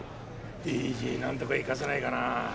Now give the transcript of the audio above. ＤＧなんとか生かせないかな？